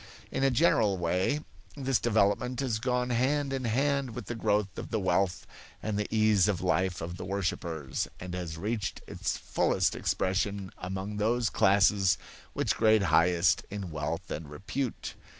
In a general way, this development has gone hand in hand with the growth of the wealth and the ease of life of the worshippers and has reached its fullest expression among those classes which grade highest in wealth and repute.